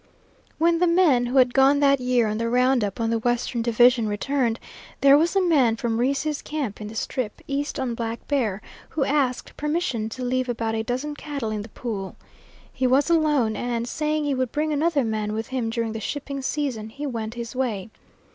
When the men who had gone that year on the round up on the western division returned, there was a man from Reece's camp in the Strip, east on Black Bear, who asked permission to leave about a dozen cattle in the Pool. He was alone, and, saying he would bring another man with him during the shipping season, he went his way.